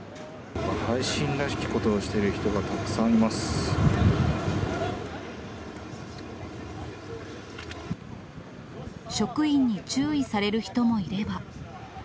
配信らしきことをしている人職員に注意される人もいれば。